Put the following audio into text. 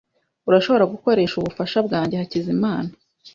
Urashobora gukoresha ubufasha bwanjye, Hakizimana .